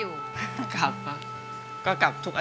อันดับนี้เป็นแบบนี้